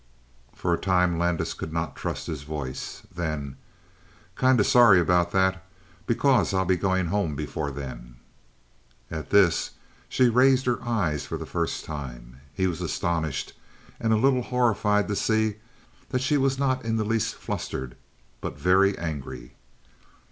For a time Landis could not trust his voice. Then: "Kind of sorry about that. Because I'll be going home before then." At this she raised her eyes for the first time. He was astonished and a little horrified to see that she was not in the least flustered, but very angry.